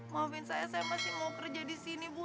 maafin saya saya masih mau kerja disini bu